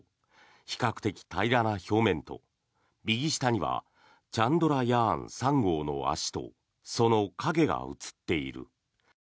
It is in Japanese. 比較的平らな表面と右下にはチャンドラヤーン３号の脚とその影が写っている。